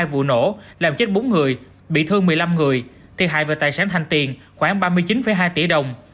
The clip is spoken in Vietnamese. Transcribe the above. hai vụ nổ làm chết bốn người bị thương một mươi năm người thiệt hại về tài sản thành tiền khoảng ba mươi chín hai tỷ đồng